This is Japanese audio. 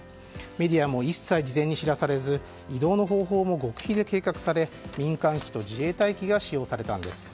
メディアも一切事前に知らされず移動の方法も極秘で計画され民間機と自衛隊機が使用されたんです。